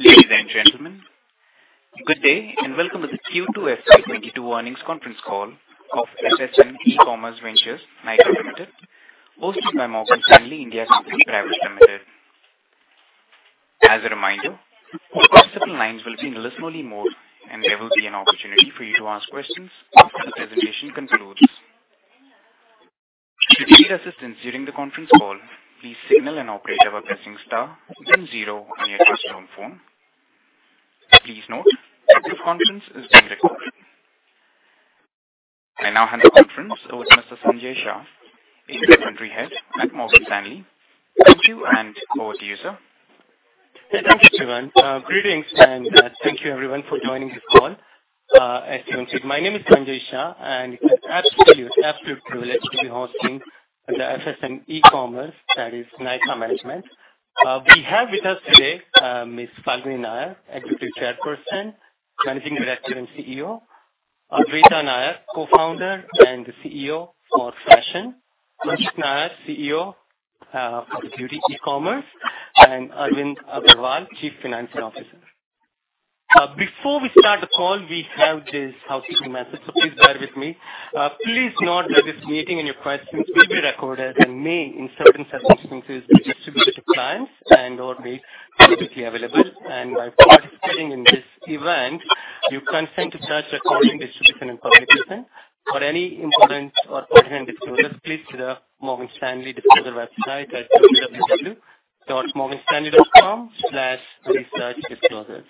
Ladies and gentlemen, good day and welcome to the Q2 FY 2022 earnings conference call of FSN E-Commerce Ventures Nykaa Limited, hosted by Morgan Stanley India Company Private Limited. As a reminder, all participant lines will be in listen-only mode, and there will be an opportunity for you to ask questions after the presentation concludes. If you need assistance during the conference call, please signal an operator by pressing star then zero on your touchtone phone. Please note that this conference is being recorded. I now hand the conference over to Mr. Sanjay Shah, country head at Morgan Stanley. Thank you, and over to you, sir. Yeah. Thank you, Steven. Greetings, and thank you everyone for joining this call. As Steven said, my name is Sanjay Shah, and it's an absolute privilege to be hosting the FSN E-Commerce that is Nykaa management. We have with us today, Ms. Falguni Nayar, Executive Chairperson, Managing Director, and CEO, Adwaita Nayar, Co-founder and CEO for Fashion, Anchit Nayar, CEO for Beauty E-commerce, and Arvind Agarwal, Chief Financial Officer. Before we start the call, we have this housekeeping message, so please bear with me. Please note that this meeting and your questions will be recorded and may, in certain circumstances, be distributed to clients and/or made publicly available. By participating in this event, you consent to such recording, distribution, and publication. For any important or pertinent disclosures, please see the Morgan Stanley disclosure website at www.morganstanley.com/researchdisclosures.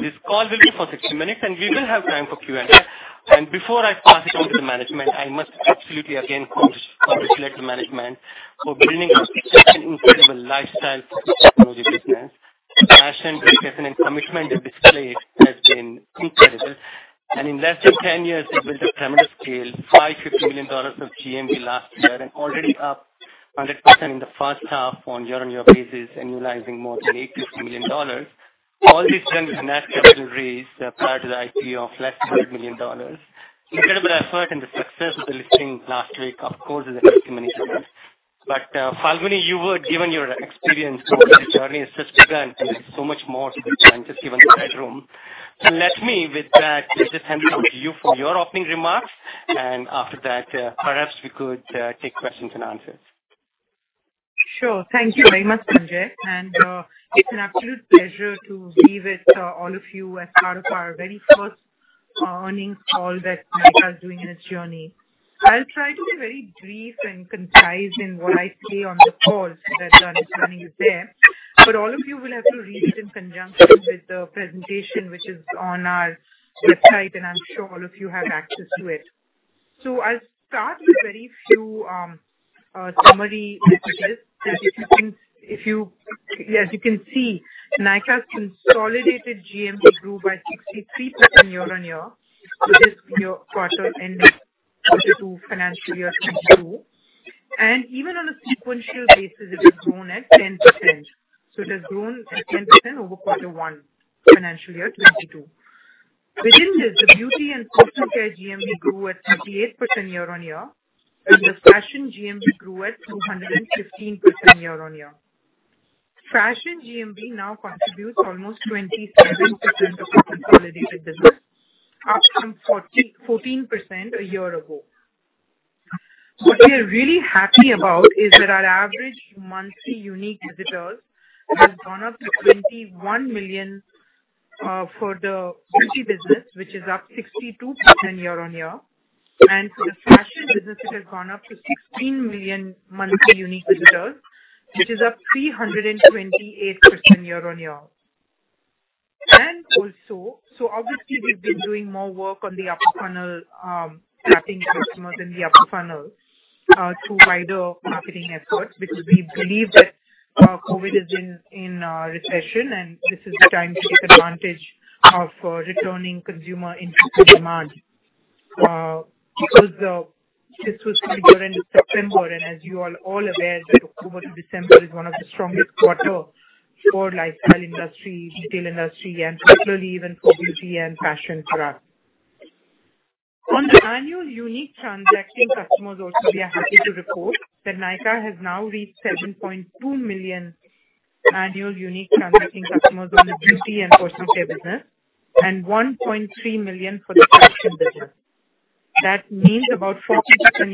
This call will be for 60 minutes, and we will have time for Q&A. Before I pass it on to the management, I must absolutely again congratulate the management for building such an incredible lifestyle technology business. The passion, dedication, and commitment you displayed has been incredible. In less than 10 years, you've built a tremendous scale, $550 million of GMV last year and already up 100% in the first half on year-on-year basis, annualizing more than $850 million. All this done with an actual raise prior to the IPO of less than $1 million. Incredible effort and the success of the listing last week, of course, is a testimony to that. Falguni, given your experience, obviously the journey has just begun. There is so much more to be done, just given the headroom. Let me, with that, just hand it over to you for your opening remarks, and after that, perhaps we could take questions and answers. Sure. Thank you very much, Sanjay. It's an absolute pleasure to be with all of you as part of our very first earnings call that Nykaa is doing in its journey. I'll try to be very brief and concise in what I say on the call so that the reporting is there, but all of you will have to read it in conjunction with the presentation which is on our website, and I'm sure all of you have access to it. I'll start with very few summary messages. As you can see, Nykaa's consolidated GMV grew by 63% year-on-year for the quarter ended Q2 FY 2022. Even on a sequential basis, it has grown at 10%, so it has grown at 10% over Q1 FY 2022. Within this, the beauty and personal care GMV grew at 38% year-on-year, and the fashion GMV grew at 215% year-on-year. Fashion GMV now contributes almost 27% of the consolidated business, up from 14% a year ago. What we are really happy about is that our average monthly unique visitors has gone up to 21 million for the beauty business, which is up 62% year-on-year. For the fashion business, it has gone up to 16 million monthly unique visitors, which is up 328% year-on-year. Obviously we've been doing more work on the upper funnel, attracting customers in the upper funnel through wider marketing efforts because we believe that COVID-induced recession, and this is the time to take advantage of returning consumer interest and demand. Because this was till the end of September, and as you are all aware that October to December is one of the strongest quarter for lifestyle industry, retail industry, and particularly even for beauty and fashion for us. On the annual unique transacting customers also, we are happy to report that Nykaa has now reached 7.2 million annual unique transacting customers on the beauty and personal care business, and 1.3 million for the fashion business. That means about 4%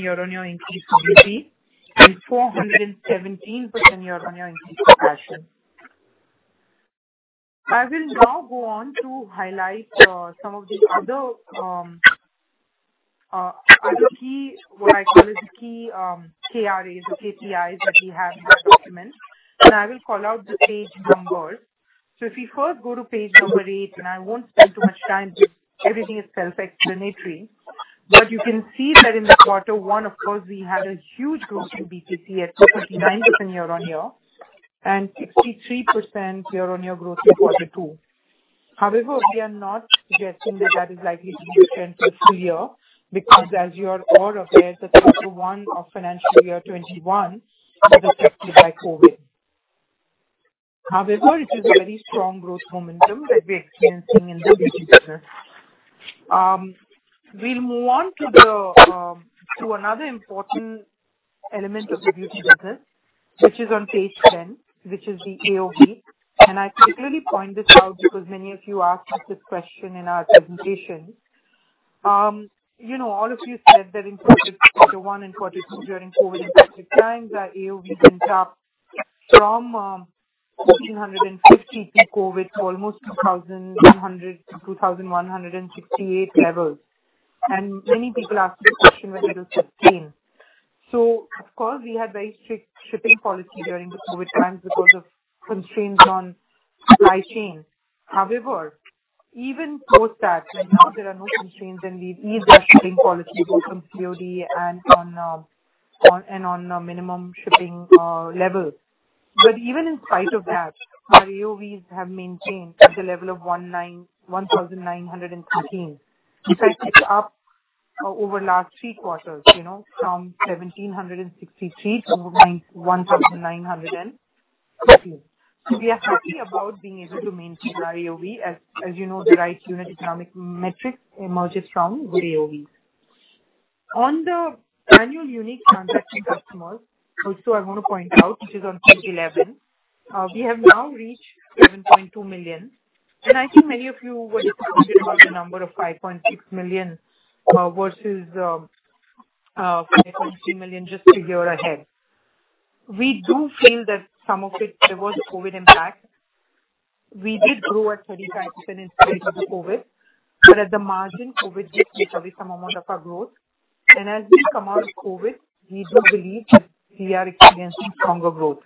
year-on-year increase for beauty and 417% year-on-year increase for fashion. I will now go on to highlight some of the other other key, what I call as key KRAs or KPIs that we have in our document, and I will call out the page number. If you first go to page number eight, and I won't spend too much time because everything is self-explanatory. You can see that in the quarter one, of course, we had a huge growth in B2C at 59% year-over-year, and 63% year-over-year growth in quarter two. However, we are not suggesting that that is likely to be the trend for the full year because as you are all aware that quarter one of financial year 2021 was affected by COVID. However, it is a very strong growth momentum that we're experiencing in the B2C business. We'll move on to another important element of the beauty business which is on page 10, which is the AOV. I particularly point this out because many of you asked us this question in our presentation. You know, all of you said that in quarter one and quarter two during COVID-impacted times that AOV went up from 1,850 pre-COVID to almost 2,100 to 2,168 levels. Many people asked this question whether it will sustain. Of course, we had very strict shipping policy during the COVID times because of constraints on supply chain. However, even post that, and now there are no constraints and we've eased our shipping policy both from COD and on minimum shipping levels. But even in spite of that, our AOVs have maintained at the level of 1,913. In fact, it's up over last three quarters, you know, from 1,763 to over 1,913. We are happy about being able to maintain our AOV as you know, the right unit economic metric emerges from good AOVs. On the annual unique transacting customers, also I want to point out, which is on page 11, we have now reached 7.2 million. I think many of you were disappointed about the number of 5.6 million versus 5.2 million just a year ahead. We do feel that some of it there was COVID impact. We did grow at 35% in spite of the COVID, but at the margin COVID did take away some amount of our growth. As we come out of COVID, we do believe that we are experiencing stronger growth.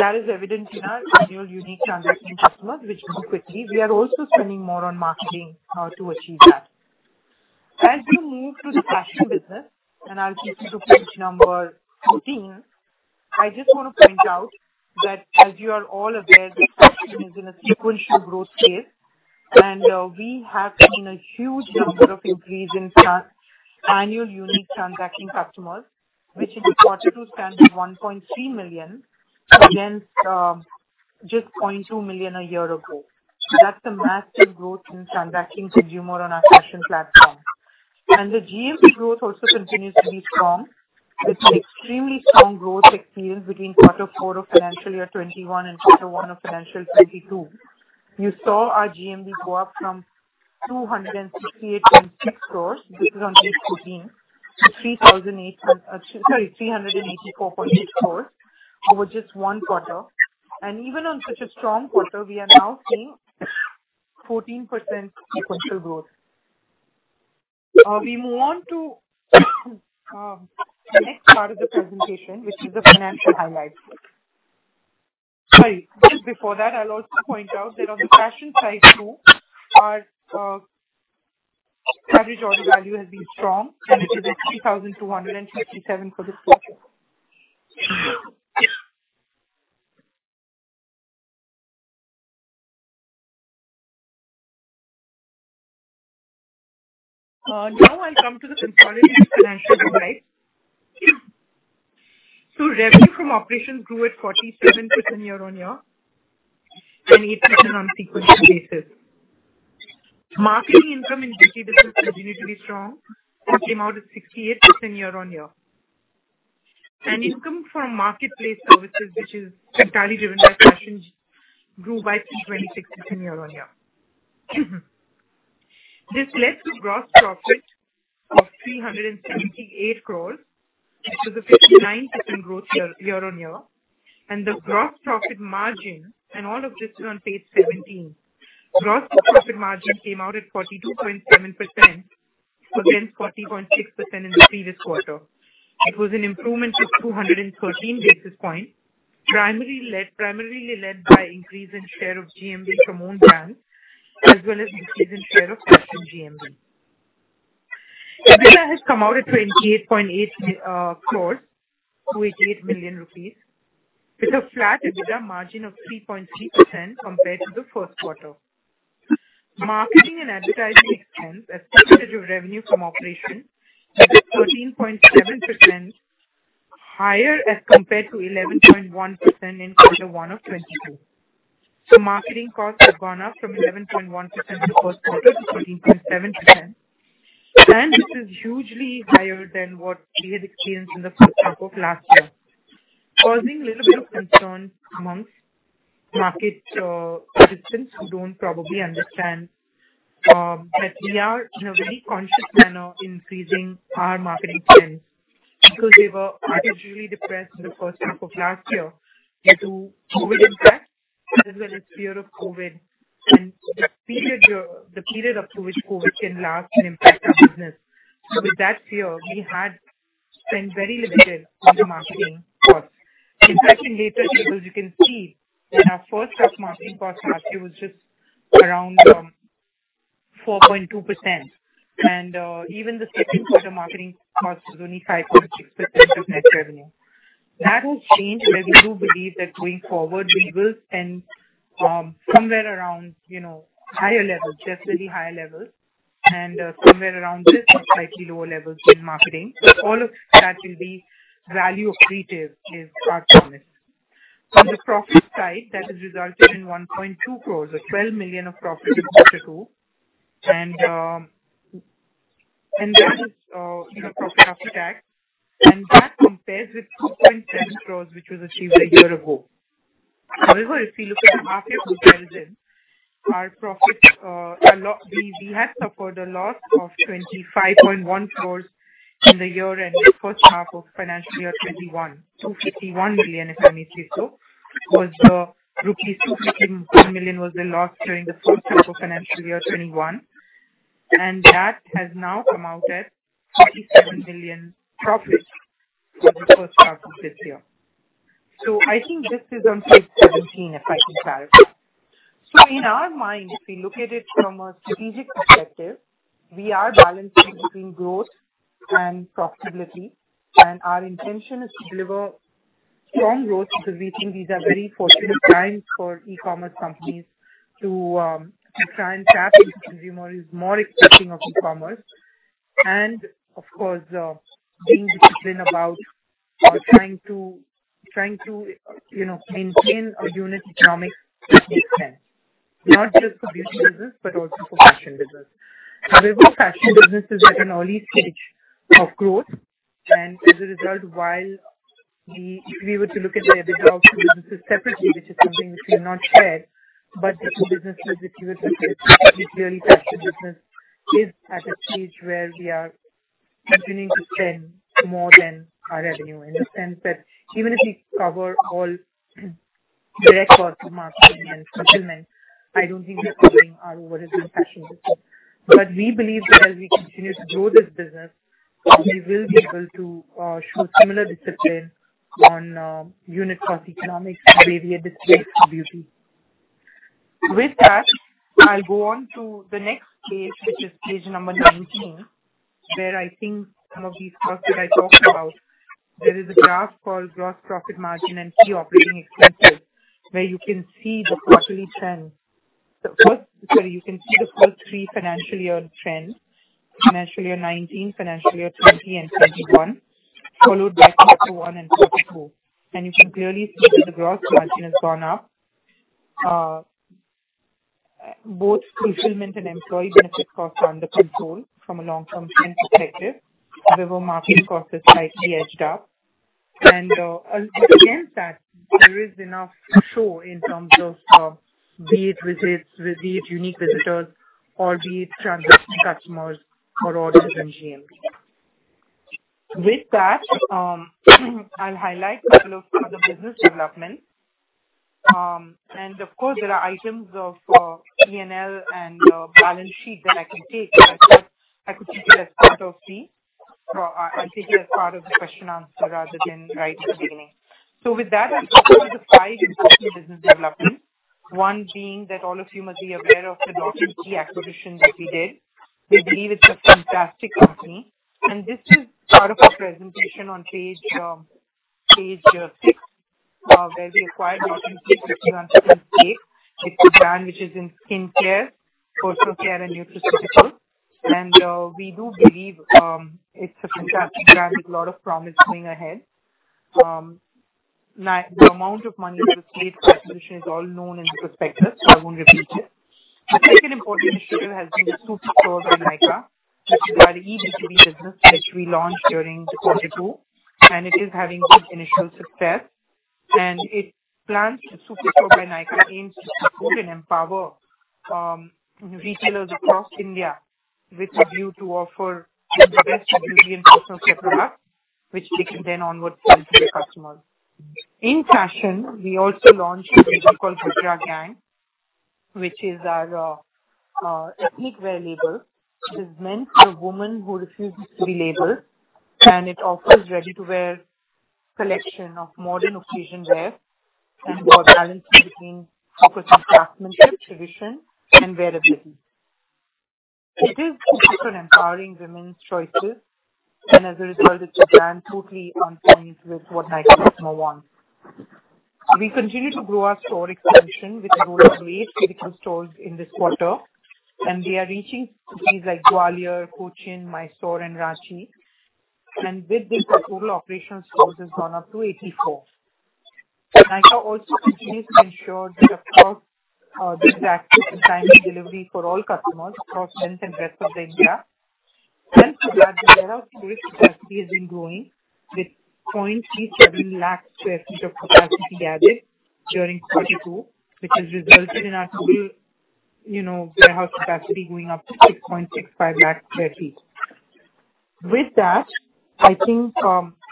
That is evident in our annual unique transacting customers which grew quickly. We are also spending more on marketing to achieve that. As we move to the fashion business, I'll take you to page number 14. I just want to point out that as you are all aware that fashion is in a sequential growth phase, we have seen a huge number of increase in annual unique transacting customers, which in the quarter two stands at 1.3 million against just 0.2 million a year ago. That's a massive growth in transacting consumer on our fashion platform. The GMV growth also continues to be strong with an extremely strong growth experienced between quarter four of financial year 2021 and quarter one of financial 2022. You saw our GMV go up from 268.6 crores, this is on page 14, to 384.8 crores over just one quarter. Even on such a strong quarter we are now seeing 14% sequential growth. We move on to the next part of the presentation, which is the financial highlights. Sorry, just before that I'll also point out that on the fashion side too, our average order value has been strong and it is at 3,237 for this quarter. Now I'll come to the consolidated financial highlights. Revenue from operations grew at 47% year-on-year and 8% on sequential basis. Marketing income in beauty business continued to be strong and came out at 68% year-on-year. Income from marketplace services, which is entirely driven by fashion, grew by 3.6% year on year. This led to gross profit of 378 crore which is a 59% growth year on year. All of this is on page seventeen. Gross profit margin came out at 42.7% against 40.6% in the previous quarter. It was an improvement of 213 basis points primarily led by increase in share of GMV from own brands as well as increase in share of fashion GMV. EBITDA has come out at 28.8 crore, 288 million rupees, with a flat EBITDA margin of 3.3% compared to the first quarter. Marketing and advertising expense as percentage of revenue from operation was at 13.7%, higher as compared to 11.1% in quarter one of 2022. Marketing costs have gone up from 11.1% in the first quarter to 13.7%. This is hugely higher than what we had experienced in the first half of last year, causing a little bit of concern amongst market participants who don't probably understand that we are in a very conscious manner increasing our marketing spend because they were artificially depressed in the first half of last year due to COVID impact as well as fear of COVID and the period up to which COVID can last and impact our business. With that fear, we had spent very limited on the marketing costs. In fact, in later tables you can see that our first half marketing cost last year was just around 4.2%. Even the second quarter marketing cost was only 5.6% of net revenue. That will change, and we do believe that going forward we will spend somewhere around, you know, higher levels, definitely higher levels and somewhere around this or slightly lower levels in marketing. All of that will be value accretive is our commitment. On the profit side, that has resulted in 1.2 crore or 12 million of profit in quarter two. That is profit after tax, and that compares with 2.7 crore, which was achieved a year ago. However, if you look at the half year details then, our profit, we had suffered a loss of 25.1 crores in the year-end first half of financial year 2021. 251 million, if I may say so, was the 251 million rupees loss during the first half of financial year 2021, and that has now come out at 37 million profit for the first half of this year. I think this is on page 17, if I can share. In our mind, if we look at it from a strategic perspective, we are balancing between growth and profitability. Our intention is to deliver strong growth because we think these are very fortunate times for e-commerce companies to try and tap into consumers more accepting of e-commerce. Of course, being disciplined about trying to you know, maintain our unit economics as we expand, not just for beauty business but also for fashion business. However, fashion business is at an early stage of growth. As a result, while if we were to look at the EBITDA of the businesses separately, which is something we've not shared, but the two businesses which we were comparing, we clearly felt the business is at a stage where we are continuing to spend more than our revenue. In the sense that even if we cover all direct costs of marketing and fulfillment, I don't think we're covering our overhead in the fashion business. We believe that as we continue to grow this business, we will be able to show similar discipline on unit economics the way we are disciplined for beauty. With that, I'll go on to the next page, which is page number 19, where I think some of these graphs that I talked about. There is a graph called Gross Profit Margin and Key Operating Expenses, where you can see the quarterly trends. You can see the full three financial year trends, financial year 2019, financial year 2020 and 2021, followed by quarter one and quarter two. You can clearly see that the gross margin has gone up. Both fulfillment and employee benefit costs are under control from a long-term trend perspective. However, marketing costs have slightly edged up. Against that, there is enough to show in terms of be it visits, be it unique visitors or be it transacting customers for all of Nykaa. With that, I'll highlight couple of other business developments. Of course there are items of P&L and balance sheet that I can take, but I thought I could take it as part of the question and answer rather than right at the beginning. With that, I'll take you to the five additional business developments. One being that all of you must be aware of the Dot & Key acquisition that we did. We believe it's a fantastic company, and this is part of our presentation on page six, where we acquired Dot & Key on 27th May. It's a brand which is in skincare, personal care and nutraceutical. We do believe it's a fantastic brand with a lot of promise going ahead. The amount of money for this latest acquisition is all known in the prospectus, so I won't repeat it. The second important trigger has been the Superstore by Nykaa, which is our eB2B business which we launched during quarter two, and it is having good initial success. The Superstore by Nykaa aims to support and empower retailers across India with a view to offer the best of beauty and personal care products which they can then onward sell to their customers. In fashion, we also launched a label called Gajra Gang, which is our ethnic wear label. It is meant for women who refuse to be labeled, and it offers ready-to-wear collection of modern occasion wear and balancing between craftsmanship, tradition and wearability. It is super empowering women's choices, and as a result it's a brand totally on point with what the Nykaa customer wants. We continue to grow our store expansion. We've opened 8 physical stores in this quarter, and we are reaching cities like Gwalior, Cochin, Mysore, and Ranchi. With this, our total operational stores has gone up to 84. Nykaa also continues to ensure that across this platform and timely delivery for all customers across length and breadth of India. Gladly, the warehouse delivery capacity has been growing with 0.37 lakh sq ft of capacity added during quarter two, which has resulted in our total, you know, warehouse capacity going up to 6.65 lakh sq ft. With that, I think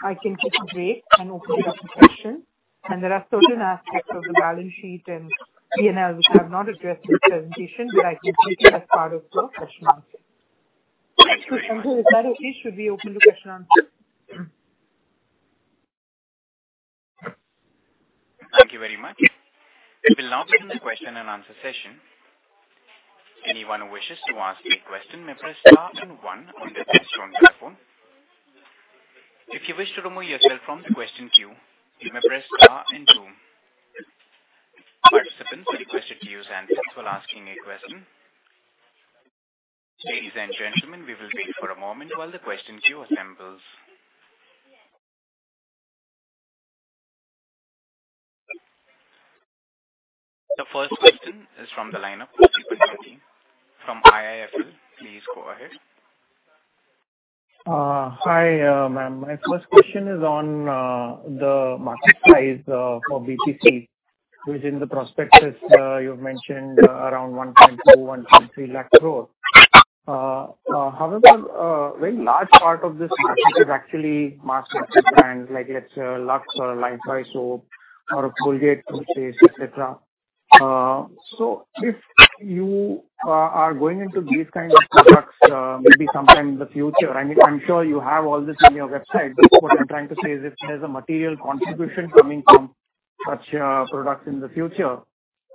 I can take a break and open it up for question. There are certain aspects of the balance sheet and P&L which I've not addressed in the presentation, but I can take it as part of the question and answer. Ankur, is that okay? Should we open the question and answer? Thank you very much. We'll now open the question and answer session. Anyone who wishes to ask a question may press star then one on their telephone keypad. If you wish to remove yourself from the question queue, you may press star and two for asking a question. Ladies and gentlemen, we will wait for a moment while the question queue assembles. The first question is from the line of Shripad Nayak from IIFL. Please go ahead. Hi, ma'am. My first question is on the market size for BPC, which in the prospectus you've mentioned around 1.2 lakh-1.3 lakh crore. However, a very large part of this market is actually mass market brands, like let's say Lux or Lifebuoy soap or Colgate toothpaste, et cetera. So if you are going into these kind of products maybe sometime in the future, I mean, I'm sure you have all this on your website. What I'm trying to say is if there's a material contribution coming from such products in the future,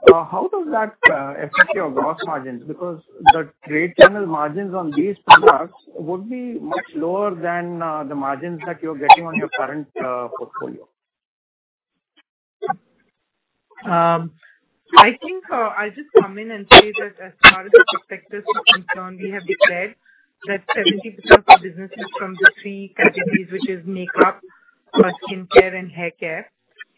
how does that affect your gross margins? Because the trade channel margins on these products would be much lower than the margins that you're getting on your current portfolio. I think, I'll just come in and say that as far as the prospectus is concerned, we have declared that 70% of the business is from the three categories, which is makeup, skincare, and haircare.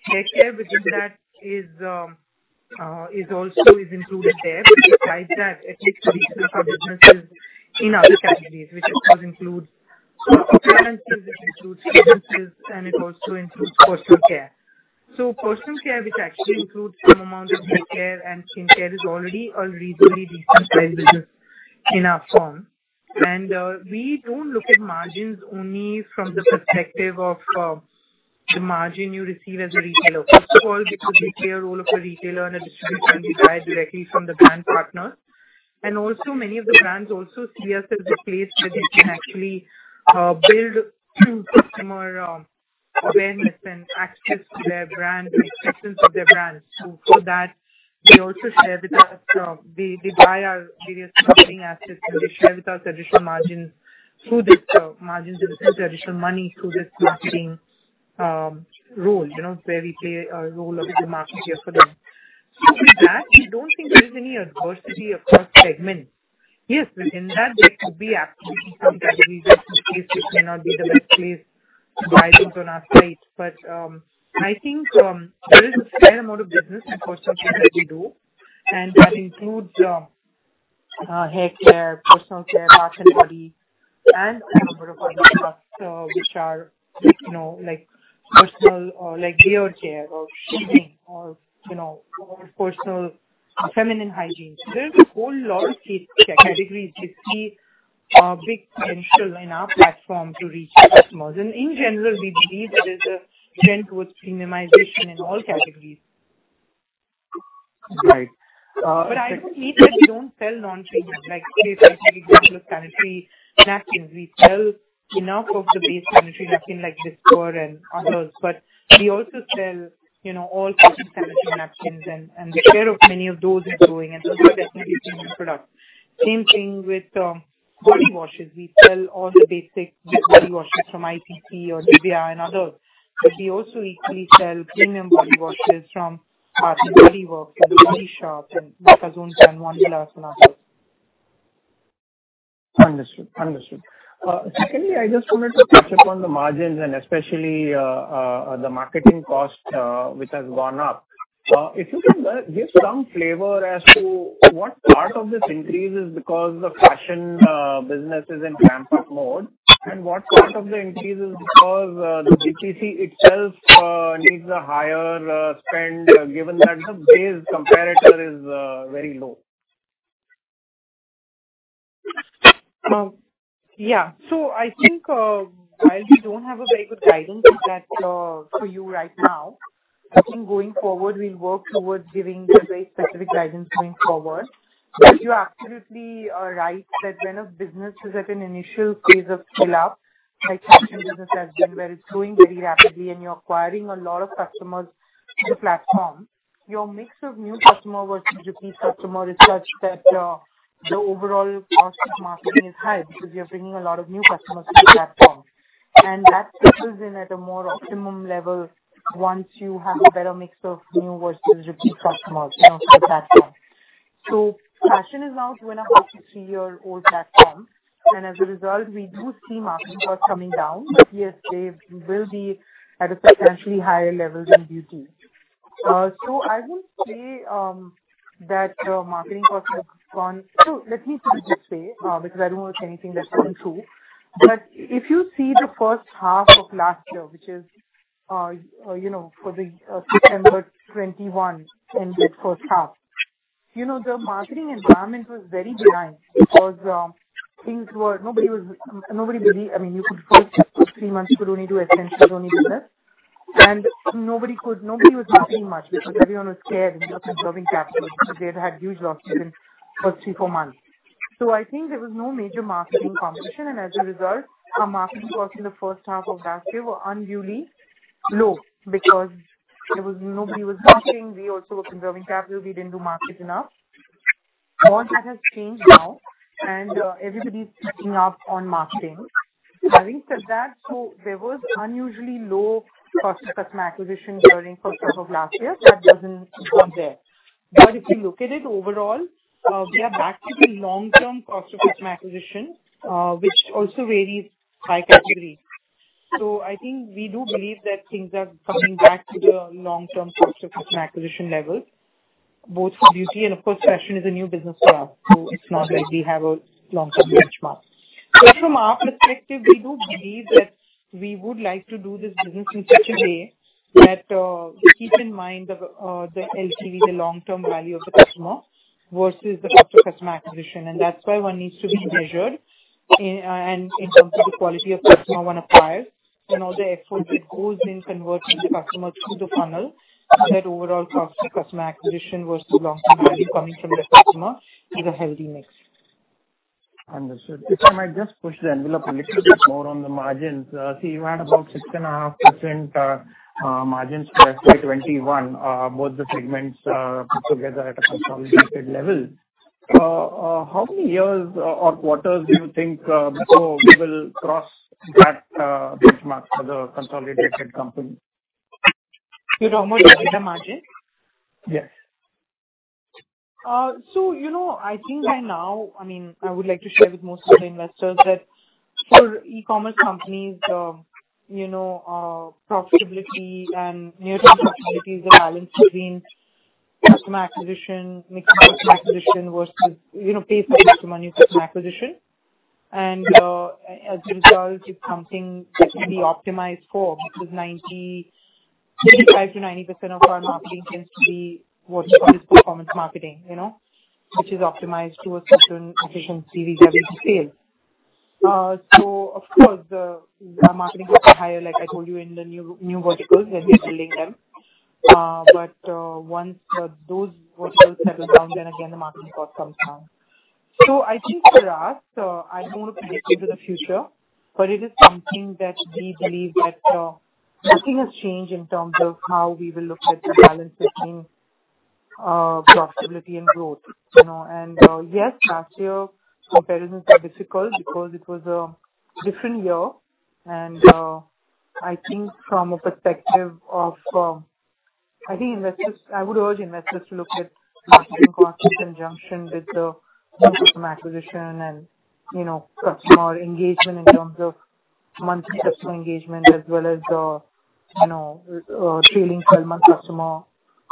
Haircare within that is also included there. Besides that, at least 30% of business is in other categories, which of course includes clearances, it includes fragrances, and it also includes personal care. Personal care, which actually includes some amount of haircare and skincare, is already a reasonably decent size business in our form. We don't look at margins only from the perspective of the margin you receive as a retailer. First of all, because we play a role of a retailer and a distributor, and we buy directly from the brand partners. Also many of the brands also see us as a place where they can actually build true customer awareness and access to their brand and acceptance of their brands. For that, they also share with us. They buy our various marketing assets, and they share with us additional margins through this, they receive the additional money through this marketing role, you know, where we play a role of the marketer for them. With that, we don't think there is any adversity across segments. Yes, within that, there could be absolutely some categories or some cases which may not be the best place to buy things on our site. I think there is a fair amount of business in personal care that we do, and that includes haircare, personal care, bath and body, and a number of other products, which are, you know, like personal or like beard care or shaving or, you know, or personal feminine hygiene. There is a whole lot of categories which see a big potential in our platform to reach customers. In general, we believe there is a trend towards premiumization in all categories. Right. I wouldn't say that we don't sell non-premium, like say for example, sanitary napkins. We sell enough of the base sanitary napkin like Discor and others. We also sell, you know, all kinds of sanitary napkins and the share of many of those is growing, and those are definitely premium products. Same thing with body washes. We sell all the basic body washes from ITC or Divya and others. We also equally sell premium body washes from The Body Work, The Body Shop, and Lakme Azon, and Vandila, and others. Understood. Secondly, I just wanted to touch upon the margins and especially the marketing cost, which has gone up. If you can give some flavor as to what part of this increase is because the fashion business is in ramp-up mode, and what part of the increase is because the BPC itself needs a higher spend, given that the base comparator is very low. I think, while we don't have a very good guidance with that, for you right now, I think going forward, we'll work towards giving a very specific guidance going forward. You absolutely are right that when a business is at an initial phase of build-up, like fashion business has been, where it's growing very rapidly and you're acquiring a lot of customers to the platform, your mix of new customer versus repeat customer is such that, the overall cost of marketing is high because you're bringing a lot of new customers to the platform. That settles in at a more optimum level once you have a better mix of new versus repeat customers on the platform. Fashion is now two and a half to three-year-old platform, and as a result, we do see marketing costs coming down. Yes, they will be at a substantially higher level than beauty. I won't say that marketing costs have gone. Let me put it this way, because I don't want to say anything that isn't true. If you see the first half of last year, which is, you know, for the September 2021 ended first half, you know, the marketing environment was very benign because things were nobody really. I mean, you could only do essentials-only business for three months. Nobody was marketing much because everyone was scared and, you know, conserving capital because they'd had huge losses in first three, four months. I think there was no major marketing competition. As a result, our marketing costs in the first half of last year were unduly low because there was nobody marketing. We also were conserving capital. We didn't do marketing enough. All that has changed now and everybody's picking up on marketing. Having said that, there was unusually low cost of customer acquisition during first half of last year. That doesn't go there. But if you look at it overall, we are back to the long-term cost of customer acquisition, which also varies by category. I think we do believe that things are coming back to the long-term cost of customer acquisition level, both for beauty and of course fashion is a new business for us. It's not like we have a long-term benchmark. From our perspective, we do believe that we would like to do this business in such a way that, we keep in mind the LTV, the long-term value of the customer versus the cost of customer acquisition. That's why one needs to be measured in terms of the quality of customer one acquires and all the effort that goes in converting the customer through the funnel, that overall cost of customer acquisition versus long-term value coming from the customer is a healthy mix. Understood. If I might just push the envelope a little bit more on the margins. You had about 6.5% margins for FY 2021, both the segments put together at a consolidated level. How many years or quarters do you think before we will cross that benchmark for the consolidated company? You're talking about EBITDA margin? Yes. You know, I think by now, I mean, I would like to share with most of the investors that for e-commerce companies, profitability and near-term profitability is a balance between customer acquisition, mixed customer acquisition versus, you know, pay per customer and new customer acquisition. As a result, it's something that can be optimized for because 55%-90% of our marketing tends to be what you call this performance marketing, you know, which is optimized to a certain efficiency vis-à-vis sales. Of course our marketing costs are higher, like I told you, in the new verticals as we're building them. Once those verticals settle down, then again the marketing cost comes down. I think for us, I don't want to predict into the future, but it is something that we believe that, nothing has changed in terms of how we will look at the balance between, profitability and growth, you know. Yes, last year comparisons are difficult because it was a different year. I think from a perspective of, I think investors. I would urge investors to look at marketing costs in conjunction with the new customer acquisition and, you know, customer engagement in terms of monthly customer engagement as well as, you know, trailing twelve-month customer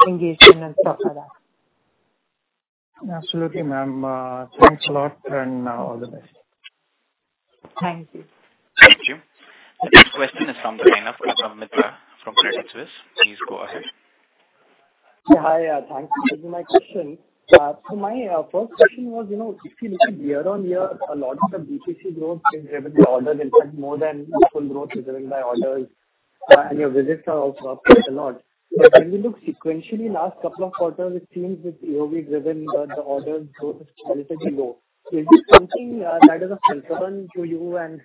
engagement and stuff like that. Absolutely, ma'am. Thanks a lot and all the best. Thank you. Thank you. The next question is from the line of Abha Mitra from Credit Suisse. Please go ahead. Yeah, hi. Thanks for taking my question. So my first question was, you know, if we look at year-on-year, a lot of the BPC growth is driven by orders. In fact, more than full growth is driven by orders. Your visits are also up quite a lot. But when we look sequentially last couple of quarters, it seems it's AOV driven, the order growth is relatively low. Is this something that is of concern to you and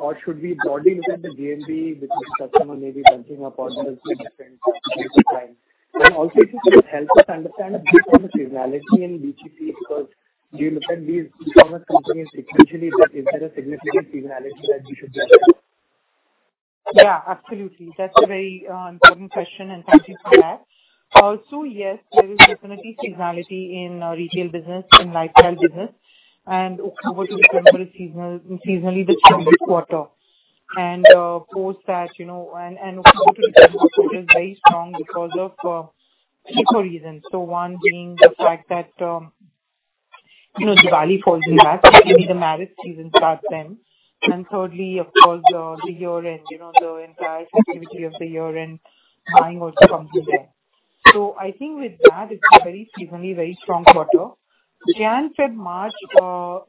or should we broadly look at the GMV with the customer maybe bunching up orders at different points of time? Also if you could help us understand peak season seasonality in BPCs, because do you look at these e-commerce companies sequentially that is there a significant seasonality that we should be aware of? Yeah, absolutely. That's a very important question, and thank you for that. Yes, there is definitely seasonality in our retail business and lifestyle business. October to December is seasonally the strongest quarter. Post that, October to December quarter is very strong because of two core reasons. One being the fact that Diwali falls in that. Usually the marriage season starts then. Thirdly, of course, year-end buying also comes in there. I think with that, it's a very strong quarter. January, February, March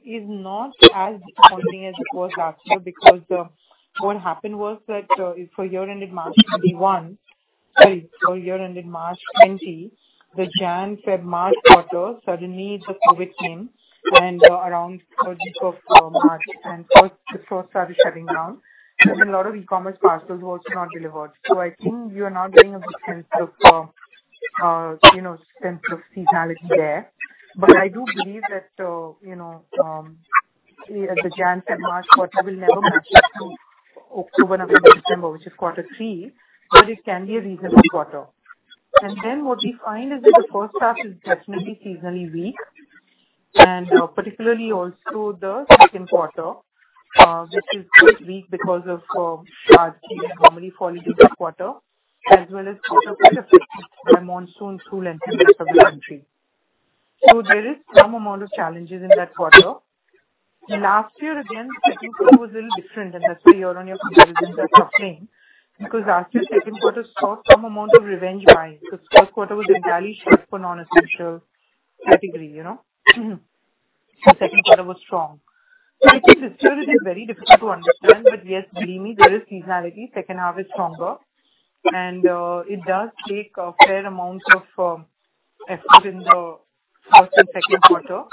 is not as pumping as it was last year because what happened was that for year ended March 2021... Sorry, for the year ended March 2020, the January, February, March quarter suddenly the COVID came and, around the 30th of March, the stores started shutting down. A lot of e-commerce parcels were also not delivered. I think you are now getting a bit of a sense of, you know, sense of seasonality there. I do believe that, you know, the January, February, March quarter will never match up to October, November, December, which is quarter three, but it can be a reasonable quarter. What we find is that the first half is definitely seasonally weak. Particularly also the second quarter, which is quite weak because of summer period and holidays fall in this quarter as well as crop-up effects by monsoon, flood and things like that in the country. There is some amount of challenges in that quarter. Last year again, second quarter was a little different and that's why year on year comparison doesn't claim because last year second quarter saw some amount of revenge buying because first quarter was entirely shut for non-essential category, you know. Second quarter was strong. I think this year it is very difficult to understand. Yes, believe me, there is seasonality. Second half is stronger. It does take a fair amount of effort in the first and second quarter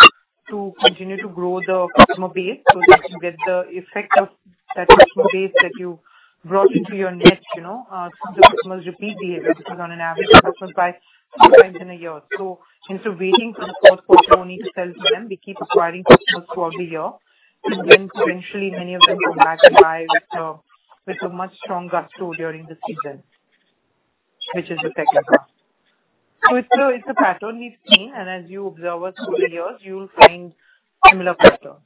to continue to grow the customer base so that you get the effect of that customer base that you brought into your net, you know, the customers repeat behavior because on an average customer buys two times in a year. Instead of waiting for the fourth quarter only to sell to them, we keep acquiring customers throughout the year. Then eventually many of them come back and buy with a much stronger throughput during the season, which is the second half. It's a pattern we've seen, and as you observe us through the years, you'll find similar patterns.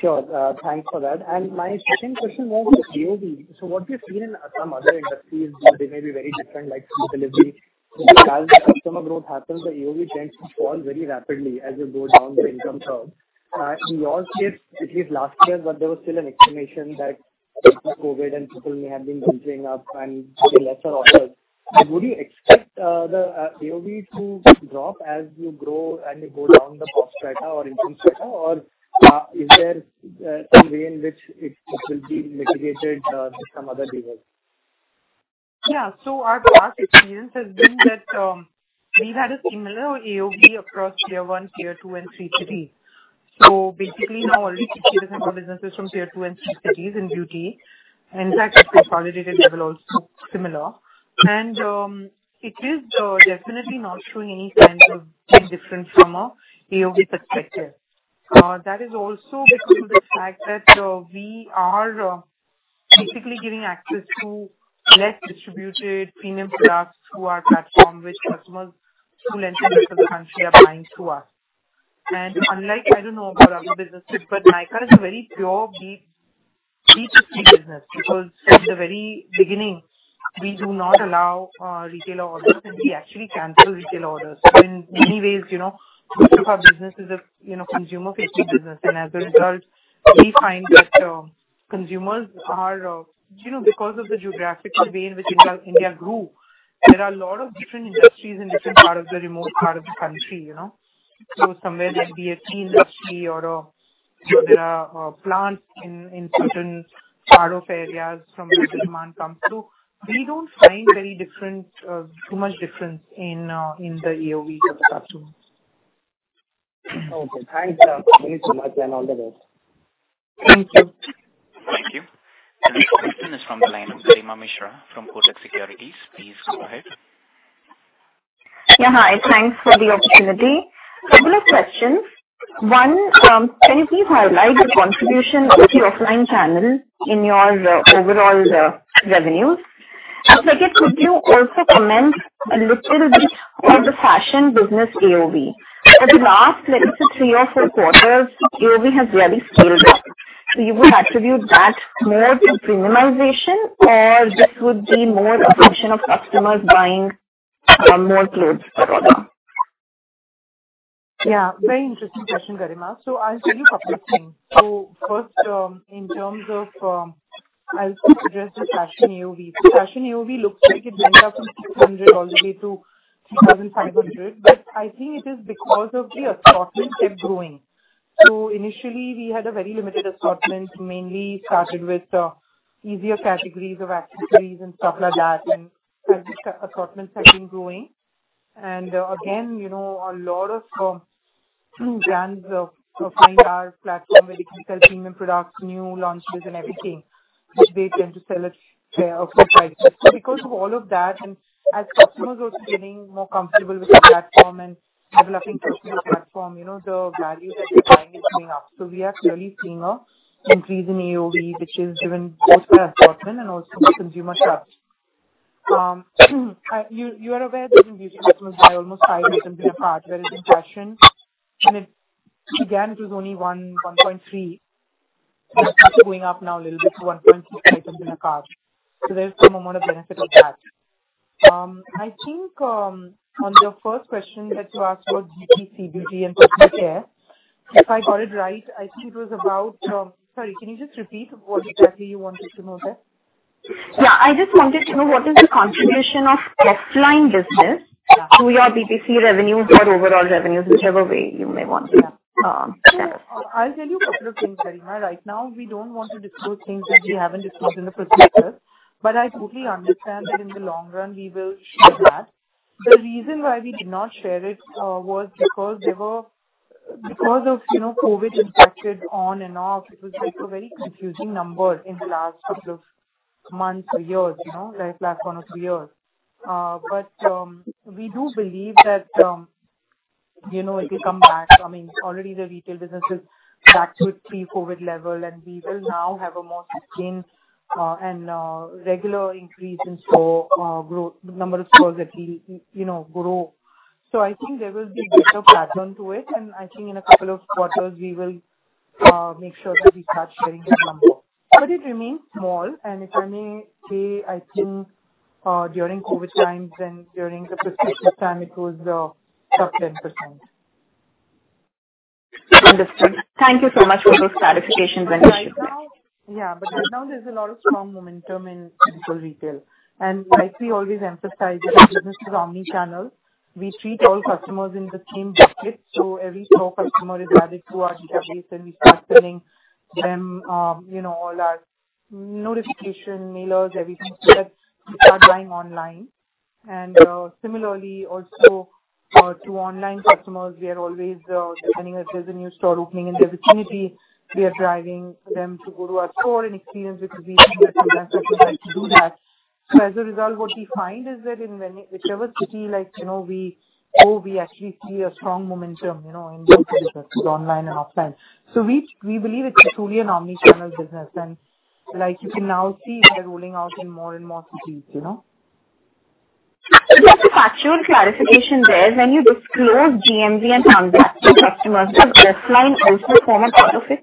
Sure. Thanks for that. My second question was on AOV. What we've seen in some other industries, though they may be very different, like food delivery, as the customer growth happens, the AOV tends to fall very rapidly as you go down the income curve. In your case, at least last year, but there was still an explanation that because of COVID and people may have been bulking up and lesser orders. Would you expect the AOV to drop as you grow and you go down the price strata or income strata? Is there some way in which it will be mitigated with some other levers? Yeah. Our past experience has been that we've had a similar AOV across tier one, tier two, and tier three. Basically now already 60% of our business is from tier two and three cities in beauty. In fact, at the consolidated level also similar. It is definitely not showing any kind of big difference from an AOV perspective. That is also because of the fact that we are basically giving access to less distributed premium products through our platform, which customers through length and breadth of the country are buying through us. Unlike, I don't know about other businesses, but Nykaa is a very pure B2C business because from the very beginning we do not allow our retail orders and we actually cancel retail orders. In many ways, you know, most of our business is a, you know, consumer-facing business. As a result, we find that consumers are, you know, because of the geographical way in which India grew, there are a lot of different industries in different parts of the remote parts of the country, you know. Somewhere there'll be a tea industry or there are plants in certain parts of areas from which the demand comes. We don't find very much difference in the AOVs of the customers. Okay. Thanks. Yeah. Thank you so much, and all the best. Thank you. Thank you. The next question is from the line of Garima Mishra from Kotak Securities. Please go ahead. Yeah. Hi. Thanks for the opportunity. Couple of questions. One, can you please highlight the contribution of the offline channel in your overall revenues? Second, could you also comment a little bit on the fashion business AOV? For the last, let's say three or four quarters, AOV has really scaled up. So you would attribute that more to premiumization or this would be more a function of customers buying more clothes per order? Yeah, very interesting question, Garima. I'll tell you a couple of things. First, in terms of, I'll address the fashion AOV. Fashion AOV looks like it went up from 600 all the way to 3,500. I think it is because of the assortment kept growing. Initially we had a very limited assortment, mainly started with easier categories of accessories and stuff like that. As the assortments have been growing. Again, you know, a lot of brands have found our platform where they can sell premium products, new launches and everything, which they tend to sell at a good price point. Because of all of that, and as customers are also getting more comfortable with the platform and developing trust in the platform, you know, the value that they're buying is going up. We are clearly seeing an increase in AOV, which is driven both by assortment and also the consumer trust. You are aware that in beauty customers buy almost five items in a cart, whereas in fashion it was only 1.3. It's also going up now a little bit to 1.6 items in a cart. There is some amount of benefit of that. I think on your first question that you asked about GP, CPG, and personal care, if I got it right, I think it was about. Sorry, can you just repeat what exactly you wanted to know there? Yeah. I just wanted to know what is the contribution of offline business to your B2C revenues or overall revenues, whichever way you may want to share? I'll tell you a couple of things, Garima. Right now, we don't want to disclose things which we haven't disclosed in the past years. I totally understand that in the long run we will share that. The reason why we did not share it was because of, you know, COVID impacted on and off, it was like a very confusing number in the last couple of months or years, you know, right, last one or two years. We do believe that, you know, it will come back. I mean, already the retail business is back to its pre-COVID level, and we will now have a more sustained and regular increase in store growth, number of stores that we, you know, grow. I think there will be a better pattern to it. I think in a couple of quarters we will make sure that we start sharing that number. It remains small, and if I may say, I think during COVID times and during the post-COVID time it was sub 10%. Understood. Thank you so much for the clarification, Venky. Right now there's a lot of strong momentum in physical retail. Like we always emphasize that our business is omni-channel. We treat all customers in the same basket, so every store customer is added to our database, and we start selling them, you know, all our notification mailers, everything. They start buying online. Similarly also, to online customers, we are always letting them visit new store opening. If there's an opportunity, we are driving them to go to our store and experience it because we think that customers are excited to do that. As a result, what we find is that in whichever city like, you know, we go, we actually see a strong momentum, you know, in both the business, both online and offline. We believe it's truly an omni-channel business. Like you can now see we are rolling out in more and more cities, you know. Actually, just a factual clarification there. When you disclose GMV and transactions to customers, does online also form a part of it,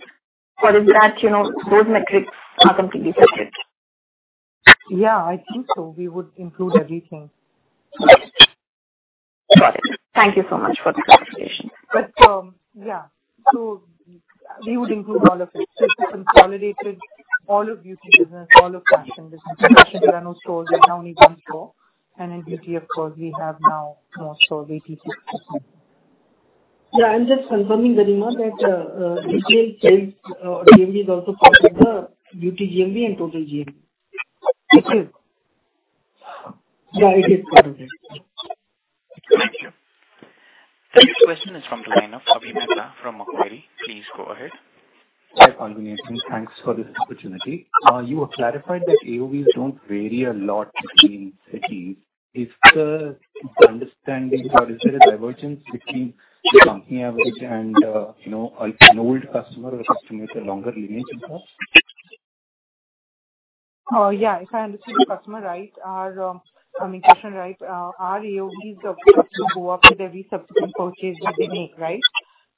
or is that, you know, those metrics are completely separate? Yeah, I think so. We would include everything. Got it. Thank you so much for the clarification. We would include all of it. It's a consolidated, all of beauty business, all of fashion business. In fashion, there are no stores right now, only one store. In beauty, of course, we have now more stores, 86 stores. Yeah, I'm just confirming, Garima, that Offline sales GMV is also part of the beauty GMV and total GMV. It is. Yeah, it is part of it. Thank you. The next question is from the line of Avi Mehta from Macquarie. Please go ahead. Hi, Falguni. Thanks for this opportunity. You have clarified that AOVs don't vary a lot between cities. Is the understanding or is there a divergence between the company average and, you know, an old customer or a customer with a longer lineage with us? Yeah. If I understood the question right, our AOVs of customers go up with every subsequent purchase that they make, right?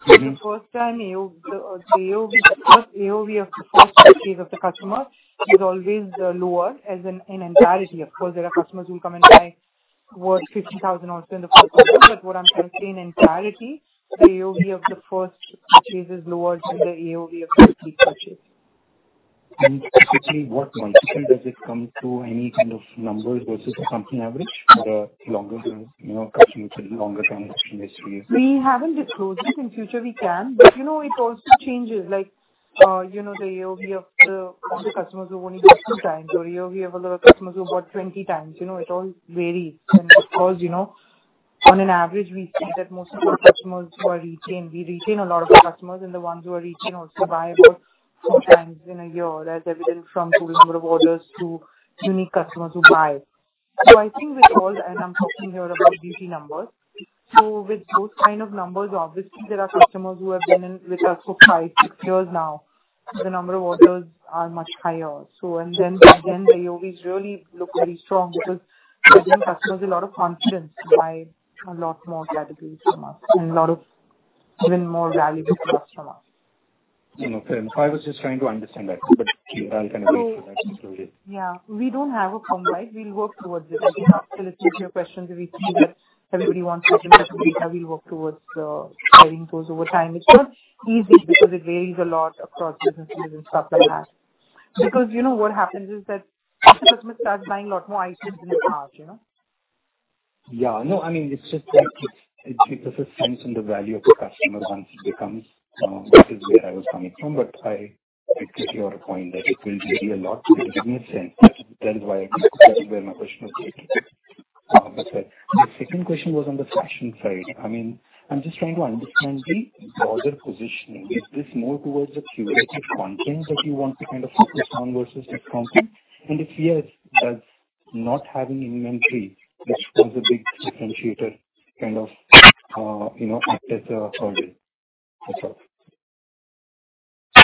Mm-hmm. The first AOV of the first purchase of the customer is always lower as an entirety. Of course, there are customers who will come and buy worth 50,000 also in the first purchase. What I'm telling, in entirety, the AOV of the first purchase is lower than the AOV of the repeat purchase. Specifically what multiple does it come to, any kind of numbers versus a company average for longer term, you know, customers with longer transaction history? We haven't disclosed this. In future we can, but you know, it also changes. Like, you know, the AOV of the customers who've only bought two times or AOV of customers who bought 20 times. You know, it all varies. Of course, you know, on an average we see that most of our customers who are retained, we retain a lot of our customers, and the ones who are retained also buy about four times in a year as evident from total number of orders to unique customers who buy. I think with all, and I'm talking here about beauty numbers, so with those kind of numbers, obviously there are customers who have been in with us for five, six years now. The number of orders are much higher also. The AOVs really look very strong because it gives customers a lot of confidence to buy a lot more categories from us and a lot of even more value products from us. You know, I was just trying to understand that, but I'll kind of wait for that disclosure. Yeah. We don't have a combine. We'll work towards it. I mean, to answer your question, if we see that everybody wants such a set of data, we'll work towards sharing those over time. It's not easy because it varies a lot across businesses and stuff like that. Because you know what happens is that after customer starts buying a lot more items in the cart, you know. Yeah. No, I mean, it's just that it's, it gives a sense in the value of the customer once it becomes, that is where I was coming from. I take your point that it will vary a lot business sense. That is why I think that is where my question was headed. That's it. My second question was on the fashion side. I mean, I'm just trying to understand the broader positioning. Is this more towards the curated content that you want to kind of focus on versus the company? If yes, does not having inventory, this was a big differentiator kind of, as a whole. That's all.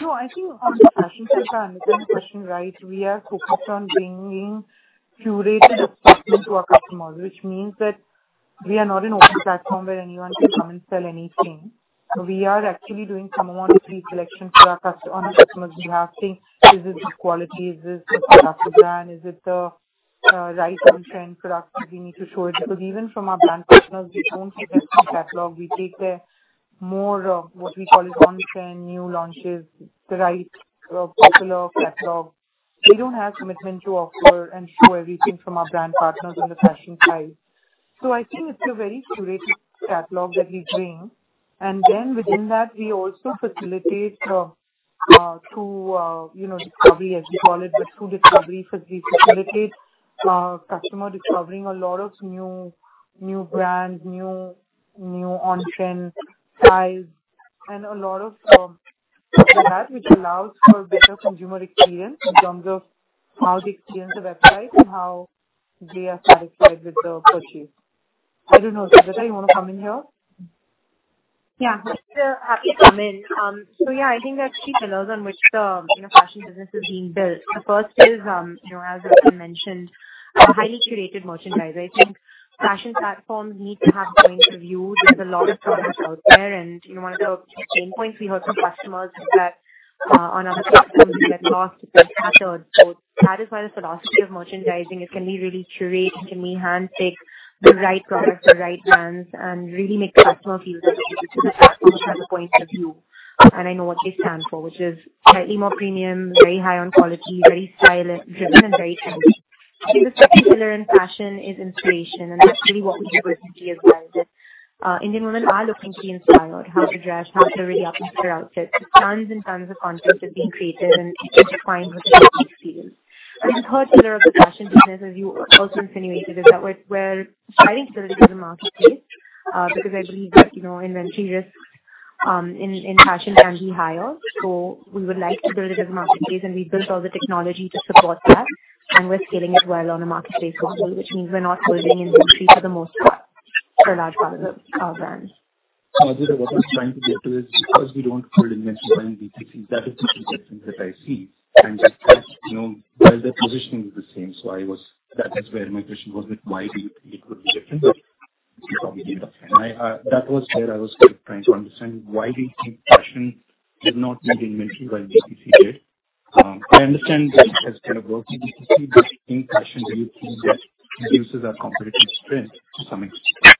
No, I think on the fashion side, I understand the question, right. We are focused on bringing curated assortment to our customers, which means that we are not an open platform where anyone can come and sell anything. We are actually doing some amount of pre-selection for our customers on the customers' behalf, saying, "Is this good quality? Is this a good brand? Is it right on trend product that we need to show it?" Because even from our brand partners, we don't take everything catalog. We take their more of what we call on trend, new launches, the right popular catalog. We don't have commitment to offer and show everything from our brand partners on the fashion side. I think it's a very curated catalog that we bring. Within that, we also facilitate through you know discovery, as we call it, but through discovery, so we facilitate customer discovering a lot of new brands, new on-trend styles and a lot of that which allows for better consumer experience in terms of how they experience the website and how they are satisfied with the purchase. I don't know, Adwaita, you wanna come in here? Yeah, happy to come in. Yeah, I think there are key pillars on which the fashion business is being built. The first is, you know, as Ritu mentioned, a highly curated merchandise. I think fashion platforms need to have points of view. There's a lot of products out there, and you know, one of the pain points we heard from customers is that on other platforms they get lost, they get scattered. That is why the philosophy of merchandising is can we really curate, can we handpick the right products, the right brands, and really make the customer feel that this is a platform which has a point of view, and I know what they stand for, which is slightly more premium, very high on quality, very style driven, and very trendy. I think the second pillar in fashion is inspiration, and that's really what we do with beauty as well. Indian women are looking to be inspired, how to dress, how to really up their outfits. Tons and tons of content are being created, and it defines what the next experience. As you've heard earlier, the fashion business, as you also insinuated, is that we're striving to build it as a marketplace, because I believe that, you know, inventory risk in fashion can be higher. We would like to build it as a marketplace, and we built all the technology to support that, and we're scaling it well on a marketplace model, which means we're not holding inventory for the most part, for large part of our brands. Adwaita, what I was trying to get to is because we don't hold inventory in BPC, that is the distinction that I see. That, you know, while the positioning is the same, that is where my question was with why we it could be different, but you probably know. I, that was where I was, like, trying to understand why we think fashion did not need inventory while BPC did. I understand that it has kind of worked in BPC, but in fashion, do you think that reduces our competitive strength to some extent?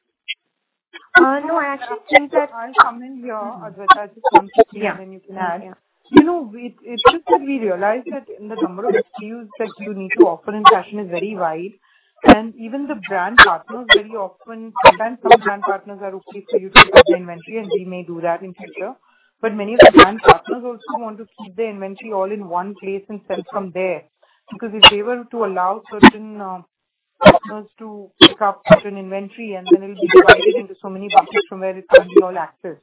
No, I actually think that. I'll come in here, Adwaita, just one second, and then you can add. Yeah. You know, it's just that we realized that the number of SKUs that you need to offer in fashion is very wide. Even the brand partners very often. Sometimes some brand partners are okay for you to take up the inventory, and we may do that in future. Many of the brand partners also want to keep the inventory all in one place and sell from there. Because if they were to allow certain partners to pick up certain inventory and then it'll be divided into so many buckets from where it can be all accessed.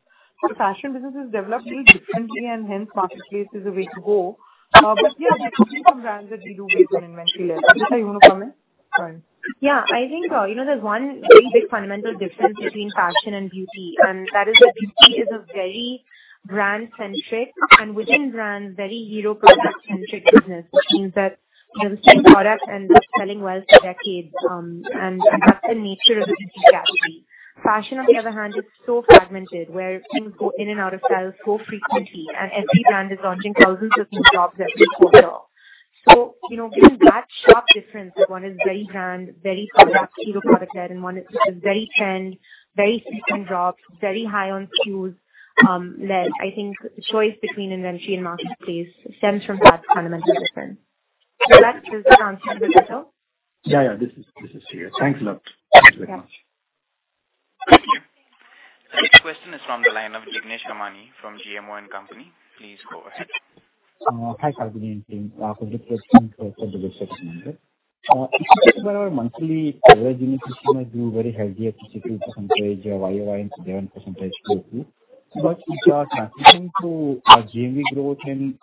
Fashion business is developed differently and hence marketplace is a way to go. Yeah, there could be some brands that we do take an inventory level. Adwaita, you wanna come in? Go on. Yeah. I think, you know, there's one very big fundamental difference between fashion and beauty, and that is that beauty is a very brand-centric and within brands, very hero product-centric business, which means that, you know, certain product ends up selling well for decades, and that's the nature of the beauty category. Fashion, on the other hand, is so fragmented, where things go in and out of style so frequently, and every brand is launching thousands of new drops every quarter. You know, given that sharp difference, that one is very brand, very product, hero product-led, and one is, which is very trend, very frequent drops, very high on SKUs, led. I think choice between inventory and marketplace stems from that fundamental difference. Vivek, does that answer a bit better? Yeah, yeah. This is clear. Thanks a lot. Thank you very much. Yeah. Thank you. The next question is from the line of Jignesh Kamani from GMO & Company. Please go ahead. Hi, Gargi and team. I have a quick question for the research team here. If you look at our monthly average unique visitors might be very healthy at 62% year-over-year and 11% quarter-over-quarter. If you are transitioning to our GMV growth and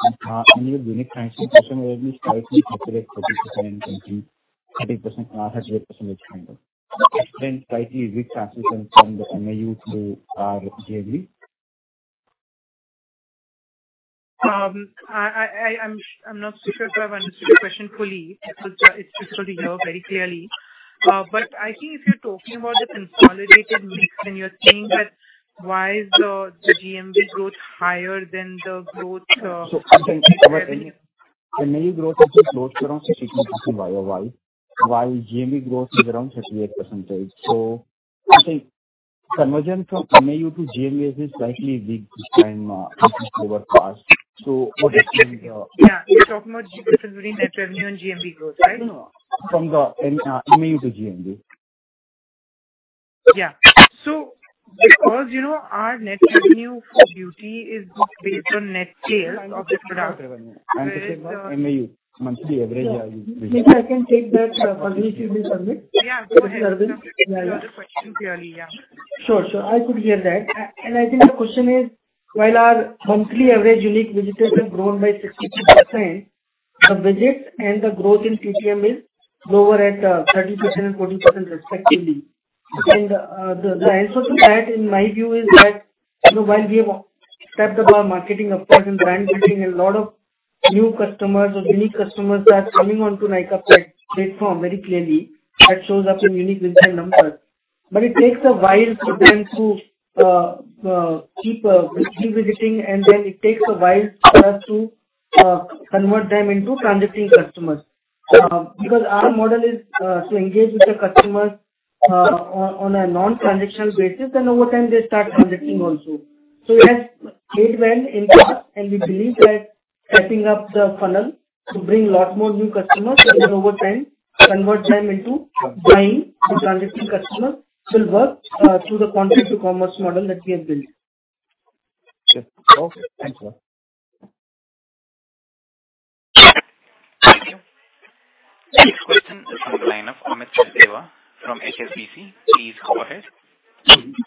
MAU unique transaction percentage is slightly lower at 30% and 20, 30%, 30% kind of. Can you explain slightly weak transition from the MAU to our GMV? I'm not sure if I've understood your question fully. It's just hard to hear very clearly. I think if you're talking about the consolidated mix, then you're saying that why is the GMV growth higher than the growth I think MAU growth is just close to around 60% year-over-year, while GMV growth is around 38%. I think conversion from MAU to GMV is slightly weak this time versus the past. What has been the- Yeah. You're talking about difference between net revenue and GMV growth, right? No, from the MAU to GMV. Because, you know, our net revenue for beauty is not based on net sales of the product. There is I understand that, Falguni. I'm talking about MAU, monthly average user. Yeah. Maybe I can take that. Falguni, if you will permit. Yeah. Go ahead, Arvind. I didn't hear the question clearly, yeah. Sure. I could hear that. I think the question is, while our monthly average unique visitors have grown by 62%, the visits and the growth in TTM is lower at 30% and 40% respectively. The answer to that in my view is that, you know, while we have stepped up our marketing efforts and brand building, a lot of new customers or unique customers are coming onto Nykaa platform very clearly. That shows up in unique visit numbers. It takes a while for them to keep revisiting, and then it takes a while for us to convert them into transacting customers. Because our model is to engage with the customers on a non-transactional basis, and over time they start transacting also. It has, it went in part, and we believe that setting up the funnel to bring lot more new customers and over time convert them into buying, so transacting customers, will work through the content to commerce model that we have built. Sure. Okay. Thanks a lot. Thank you. Next question is from the line of Amit Sachdeva from HSBC. Please go ahead.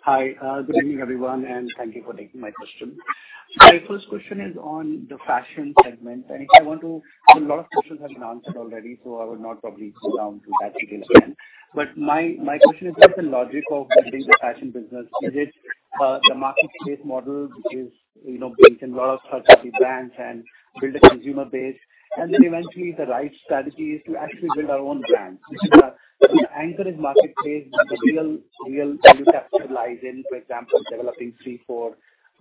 Hi. Good evening, everyone, and thank you for taking my question. My first question is on the fashion segment. A lot of questions have been answered already, so I would not probably go down to that again and again. My question is, what's the logic of building the fashion business? Is it the marketplace model, which is, you know, brings in lots of third-party brands and build a consumer base, and then eventually the right strategy is to actually build our own brands? Your anchor is marketplace, but the real value is capitalized in, for example, developing 3-4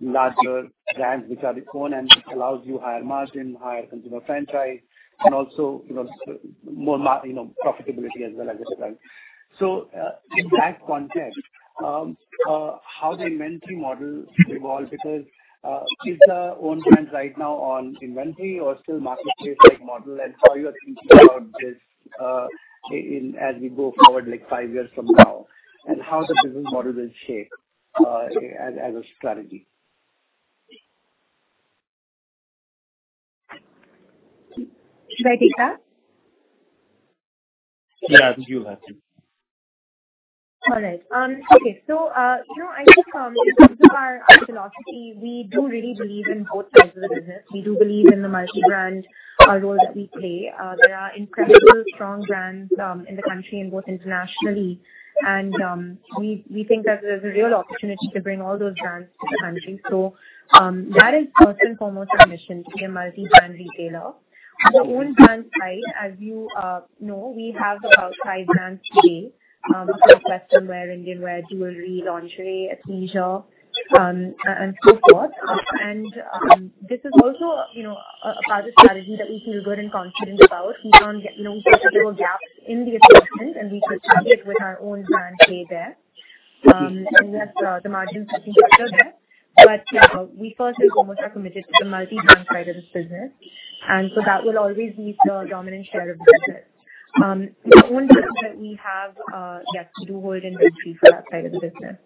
larger brands which are your own and which allows you higher margin, higher consumer franchise, and also, you know, more margin, you know, profitability as well as the brand. In that context, how the inventory model evolve because is the own brand right now on inventory or still marketplace-led model and how you are thinking about this? As we go forward, like five years from now and how the business model will shape, as a strategy. Should I take that? Yeah, I think you have to. All right. Okay. You know, I think in terms of our philosophy, we do really believe in both sides of the business. We do believe in the multi-brand role that we play. There are incredibly strong brands in the country and both internationally and we think that there's a real opportunity to bring all those brands to the country. That is first and foremost our mission to be a multi-brand retailer. On the own brand side, as you know, we have about five brands today. Western wear, Indian wear, jewelry, lingerie, athleisure and so forth. This is also, you know, a part of strategy that we feel good and confident about. We don't get, you know, we feel there were gaps in the assortment and we could plug it with our own brand play there. Yes, the margin sitting better there. You know, we first and foremost are committed to the multi-brand side of this business. That will always be the dominant share of the business. The own business that we have, yes, we do hold inventory for that side of the business.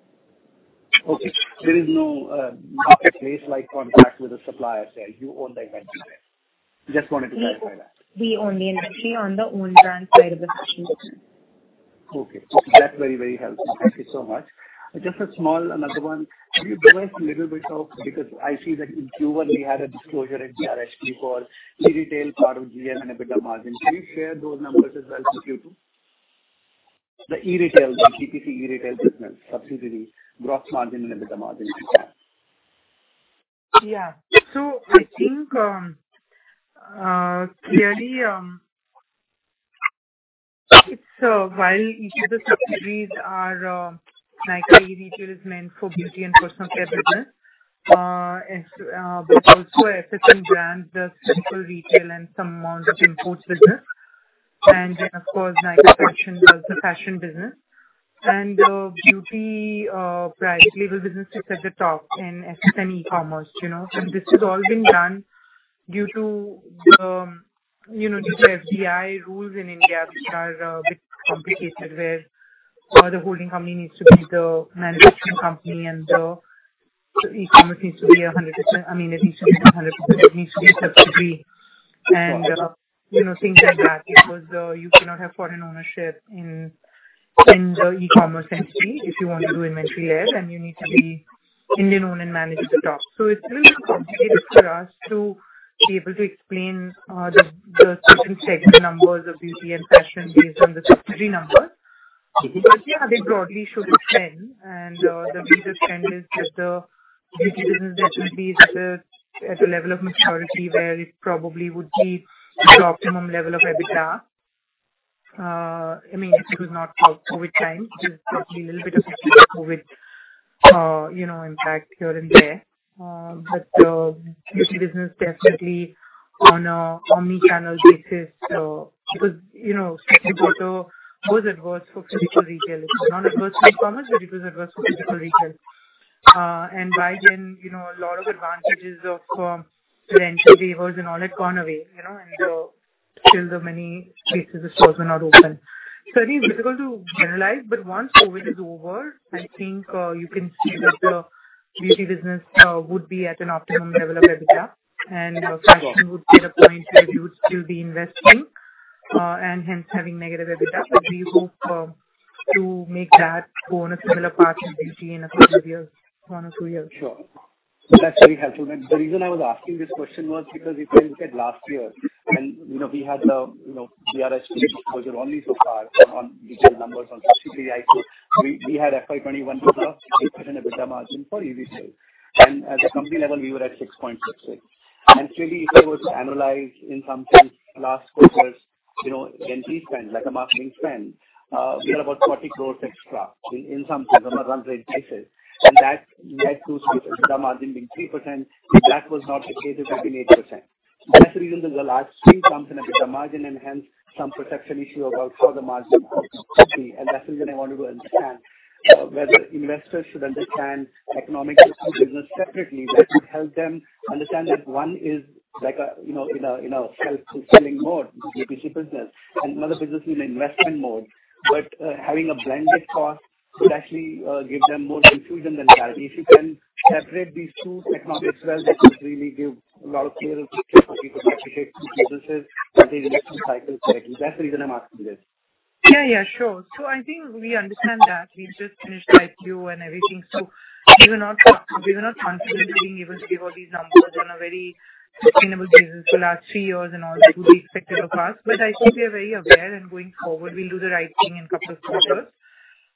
Okay. There is no marketplace-like contract with the supplier, say you own the inventory there. Just wanted to clarify that. We own the inventory on the own brand side of the fashion business. Okay. That's very, very helpful. Thank you so much. Just another small one. Can you give us a little bit. Because I see that in Q1 we had a disclosure in DRHP for e-retail part of GM and EBITDA margin. Can you share those numbers as well with Q2? The e-retail, the BPC e-retail business subsidiary gross margin and EBITDA margin if you can. I think, clearly, it is while each of the subsidiaries are, Nykaa E-Retail is meant for beauty and personal care business. FSN Brands also does physical retail and some amount of imports business. Beauty private label business sits at the top in FSN E-Commerce, you know. This has all been done due to FDI rules in India, which are a bit complicated, where the holding company needs to be the manufacturing company and the e-commerce needs to be 100%. I mean, it needs to be 100%, it needs to be a subsidiary. You know, things like that, because you cannot have foreign ownership in the e-commerce entity if you want to do inventory there, and you need to be Indian-owned and managed at the top. It's a little complicated for us to be able to explain the section segment numbers of beauty and fashion based on the subsidiary numbers. Okay. Yeah, they broadly show the trend and, the biggest trend is that the beauty business definitely is at a level of maturity where it probably would be at the optimum level of EBITDA. I mean if it was not for COVID time. There's probably a little bit of a COVID, you know, impact here and there. Beauty business definitely on a omni-channel basis, because, you know, second quarter was adverse for physical retail. It was not adverse for e-commerce, but it was adverse for physical retail. By then, you know, a lot of advantages of free delivery services and all had gone away, you know. Still in many cases the stores were not open. I think it's difficult to generalize, but once COVID is over, I think you can see that the beauty business would be at an optimum level of EBITDA and fashion would be at a point where we would still be investing and hence having negative EBITDA. We hope to make that go on a similar path in beauty in a couple of years, one or two years. Sure. That's very helpful. The reason I was asking this question was because if I look at last year, you know, we had DRHP exposure only so far on detailed numbers on subsidiary IQ. We had FY 2021 +8% EBITDA margin for e-retail. At the company level we were at 6.66%. Truly if I were to annualize in some sense last quarter's, you know, the extra spend like a marketing spend, we had about 40 crore extra in some sense on a run rate basis. That led to EBITDA margin being 3%. If that was not the case, it had been 8%. That's the reason there's a large swing in EBITDA margin and hence some perception issue about how the margin could be. That's the reason I wanted to understand whether investors should understand the economics of the business separately that would help them understand that one is like a, you know, in a, in a self-fulfilling mode, the BPC business, and another business is in investment mode. Having a blended cost could actually give them more confusion than clarity. If you can separate these two economics well, that would really give a lot of clearer picture for people to appreciate these businesses and their investment cycles correctly. That's the reason I'm asking this. Yeah, yeah, sure. I think we understand that. We've just finished IPO and everything, so we were not comfortable being able to give out these numbers on a very sustainable basis for last three years and all to be expected of us. I think we are very aware and going forward we'll do the right thing in couple of quarters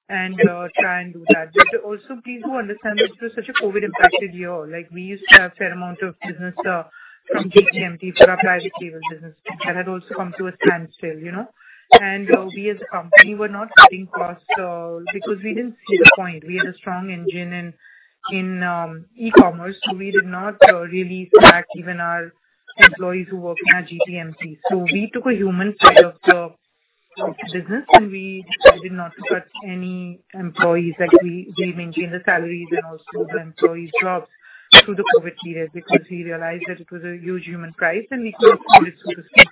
and try and do that. Also please do understand that this was such a COVID impacted year. Like, we used to have fair amount of business from GT/MT for our private label business. That had also come to a standstill, you know. We as a company were not cutting costs because we didn't see the point. We had a strong engine in e-commerce, we did not really sack even our employees who work in our GT/MT. We took a human side of the business, and we decided not to cut any employees. Like, we maintained the salaries and also the employees' jobs through the COVID period because we realized that it was a huge human price and we could not see this through the screen.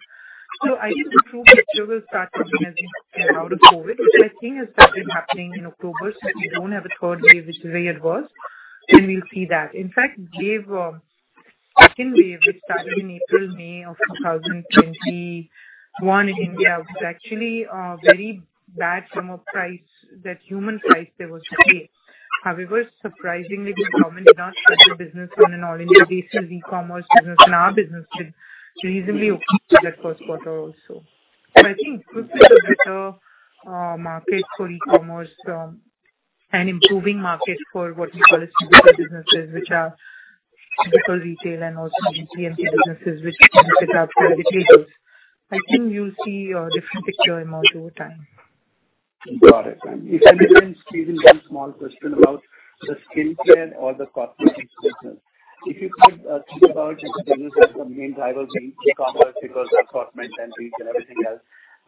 I think the true picture will start coming as we get out of COVID, which I think has started happening in October, if we don't have a third wave, which the way it was, then we'll see that. In fact, the second wave, which started in April, May of 2021 in India, was actually very bad from a human price, that human price that was paid. However, surprisingly, the government did not shut the business on an all India basis. E-commerce business and our business did reasonably okay through that first quarter also. I think this is a better market for e-commerce, and improving market for what we call as typical businesses which are typical retail and also GT/MT businesses which can set up for the retailers. I think you'll see a different picture emerge over time. Got it. If I may just squeeze in one small question about the skincare or the cosmetics business. If you could think about it, you see, the main driver being e-commerce because of app entries and everything else,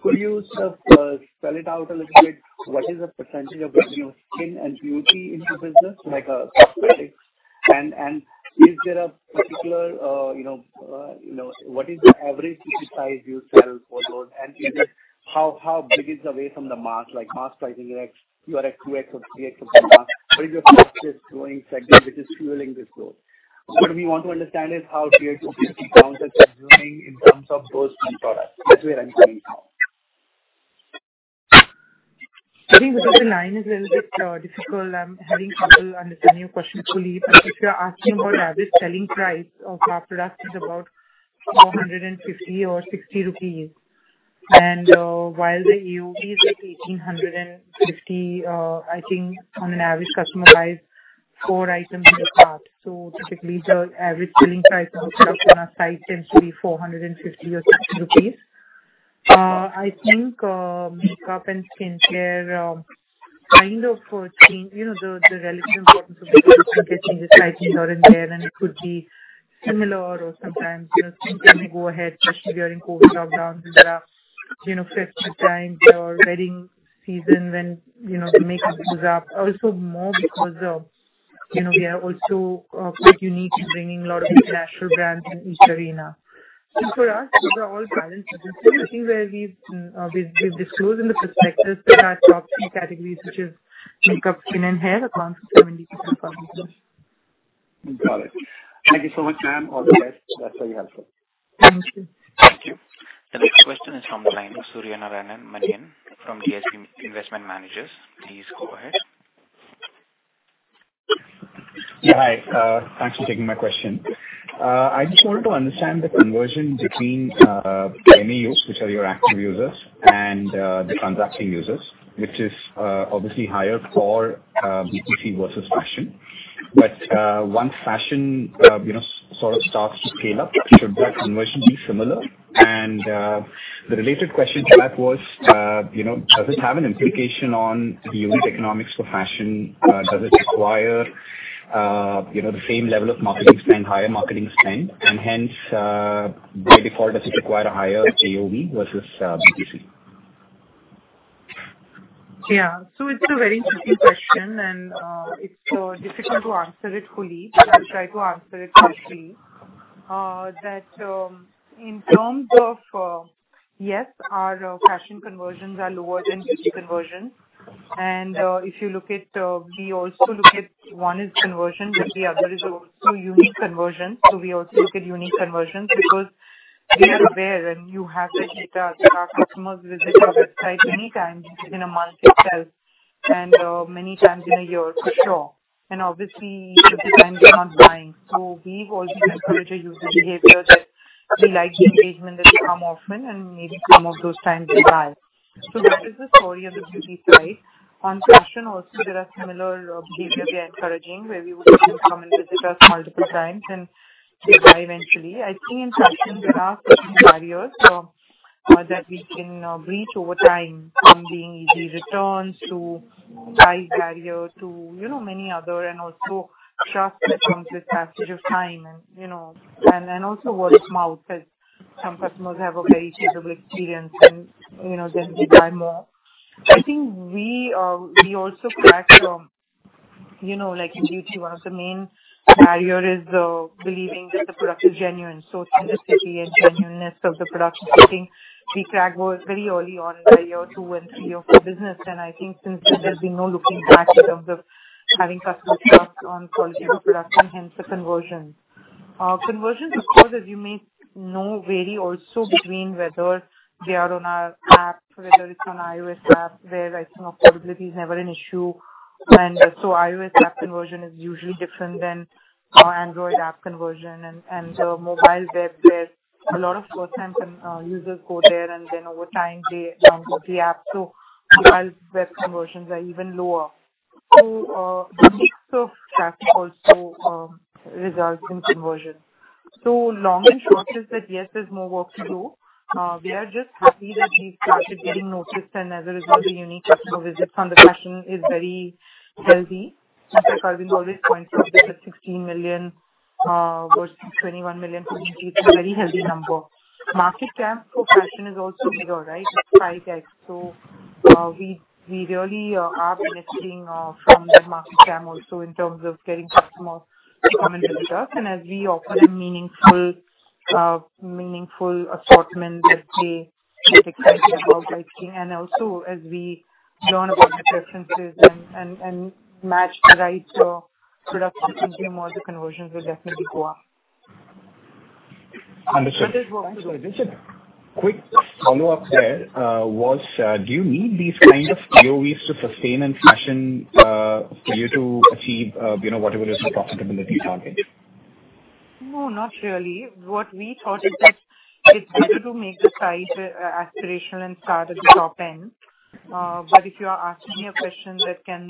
could you sort of spell it out a little bit? What is the percentage of, you know, skin and beauty in your business, like, cosmetics? Is there a particular, you know, what is the average ticket size you sell for those? Is it how big is the markup, like markup pricing, like you are at 2x or 3x of the markup. What is your fastest growing segment which is fueling this growth? What we want to understand is how tier two beauty counters are doing in terms of those skin products. That's where I'm coming from. Sorry, because the line is a little bit difficult, I'm having trouble understanding your question fully. If you're asking about average selling price of our product is about 450 rupees or 460 rupees. While the AOV is like 1,850, I think on an average customer buys four items in the cart. Typically the average selling price of a product on our site tends to be 450 rupees or 460 rupees. I think makeup and skincare kind of change, you know, the relative importance of the skin changes slightly here and there, and it could be similar or sometimes, you know, skincare may go ahead, especially during COVID shutdowns when there are, you know, festive times or wedding season when, you know, the makeup goes up also more because, you know, we are also quite unique in bringing a lot of international brands in each arena. For us, these are all balanced businesses. I think where we've disclosed in the prospectus that our top three categories, which is makeup, skin and hair, accounts for 70% of our business. Got it. Thank you so much, ma'am. All the best. That's very helpful. Thank you. Thank you. The next question is from the line of Suryanarayanan Manian from DSP Investment Managers. Please go ahead. Yeah. Hi, thanks for taking my question. I just wanted to understand the conversion between MAUs, which are your active users and the transacting users, which is obviously higher for B2C versus fashion. Once fashion, you know, sort of starts to scale up, should that conversion be similar? The related question to that was, you know, does it have an implication on the unit economics for fashion? Does it require, you know, the same level of marketing spend, higher marketing spend, and hence, by default, does it require a higher AOV versus B2C? Yeah. It's a very interesting question, and it's difficult to answer it fully. I'll try to answer it partially. In terms of, yes, our fashion conversions are lower than B2C conversions. If you look at, we also look at one is conversion, but the other is also unique conversions. We also look at unique conversions because we are aware, and you have the data that our customers visit our website many times within a month itself and many times in a year for sure. Obviously many times they're not buying. We've also encouraged a user behavior that we like the engagement, that they come often, and maybe some of those times they buy. That is the story of the beauty side. On fashion also there are similar behavior we are encouraging where we would like them come and visit us multiple times and they buy eventually. I think in fashion there are certain barriers that we can breach over time, from being easy returns to price barrier to, you know, many other and also trust that comes with passage of time and, you know, and also word of mouth as some customers have a very favorable experience and, you know, then they buy more. I think we also track, you know, like in beauty, one of the main barrier is believing that the product is genuine. Authenticity and genuineness of the product, I think we track very early on in the year two and three of the business. I think since then there's been no looking back in terms of having customer trust on quality of the product and hence the conversion. Conversions, of course, as you may know, vary also between whether they are on our app, whether it's an iOS app where item affordability is never an issue. iOS app conversion is usually different than our Android app conversion and mobile web where a lot of first time users go there and then over time they download the app. Mobile web conversions are even lower. The mix of traffic also results in conversion. Long and short is that, yes, there's more work to do. We are just happy that we've started getting noticed and as a result, the unique customer visits on the fashion is very healthy. In fact, Arvind always points out that 16 million versus 21 million for beauty is a very healthy number. Market cap for fashion is also bigger, right? It's 5x. We really are benefiting from the market TAM also in terms of getting customers to come into the cart. As we offer a meaningful assortment as they get excited about lifestyle, and also as we learn about the preferences and match the right product onto them, all the conversions will definitely go up. Understood. Just a quick follow-up there, do you need these kind of AOVs to sustain in fashion for you to achieve, you know, whatever is your profitability target? No, not really. What we thought is that it's better to make the size aspirational and start at the top end. If you are asking me a question that can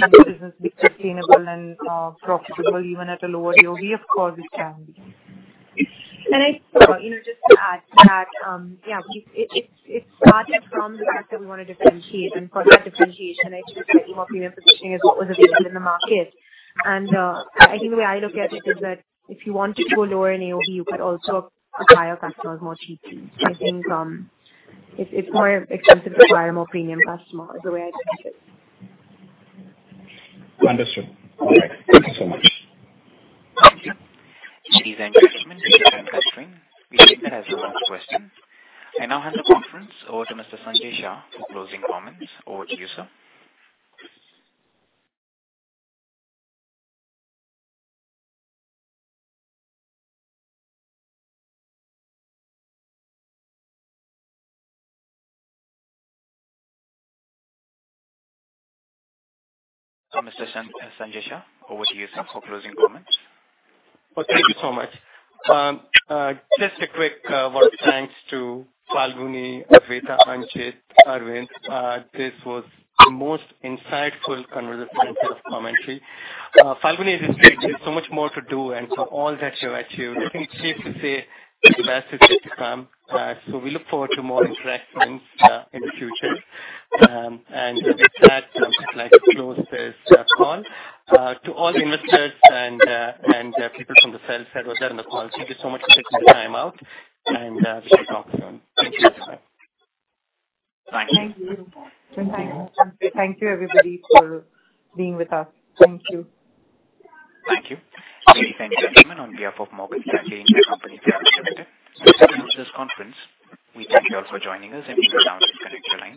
the business be sustainable and profitable even at a lower AOV, of course it can. I, you know, just to add to that, yeah, it started from the fact that we wanna differentiate, and for that differentiation, I think the more premium positioning is what was available in the market. I think the way I look at it is that if you want to go lower in AOV, you could also acquire customers more cheaply. I think it's more expensive to acquire more premium customers, the way I look at it. Understood. All right. Thank you so much. Thank you. Ladies and gentlemen, thank you for staying. We take that as the last question. I now hand the conference over to Mr. Sanjay Shah for closing comments. Over to you, sir. Mr. Sanjay Shah, over to you, sir, for closing comments. Well, thank you so much. Just a quick word of thanks to Falguni, Adwaita, Anchit, Arvind. This was the most insightful conversation and commentary. Falguni has intrigued me. Much more to do. For all that you achieve, I think it's safe to say the best is yet to come. We look forward to more interactions in the future. With that, just like to close this call. To all the investors and people from the sell-side who were there on the call, thank you so much for taking the time out and we shall talk soon. Thank you. Bye-bye. Thank you. Thank you. Thank you, everybody, for being with us. Thank you. Thank you. Ladies and gentlemen, on behalf of Morgan Stanley India Company Private Limited, this concludes this conference. We thank you all for joining us, and you may now disconnect your lines.